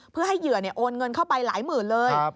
เพื่อให้เหยื่อโอนเงินเข้าไปหลายหมื่นเลย